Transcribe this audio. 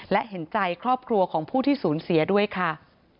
และเห็นใจครอบครัวของผู้ที่สูญเสียด้วยค่ะ